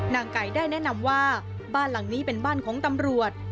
นางไก่ได้แนะนำว่าบ้านหลังนี้เป็นบ้านของตำรวจ